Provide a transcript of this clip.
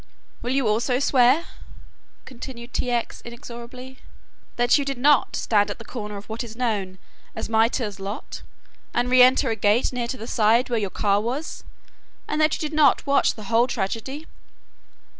"Will you also swear," continued T. X. inexorably, "that you did not stand at the corner of what is known as Mitre's Lot and re enter a gate near to the side where your car was, and that you did not watch the whole tragedy?"